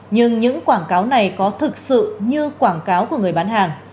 nhưng những quảng cáo này có thực sự như quảng cáo của người bán hàng